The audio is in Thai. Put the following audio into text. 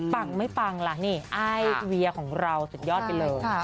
ปังไม่ปังล่ะนี่อ้ายเวียของเราสุดยอดไปเลย